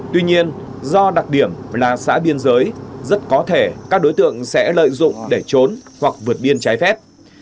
tuy nhiên do đặc điểm là xã biên giới rất có thể các đối tượng sẽ lợi dụng để trốn hoặc vượt biên trái phép